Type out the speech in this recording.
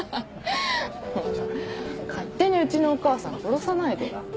勝手にうちのお母さん殺さないでよ。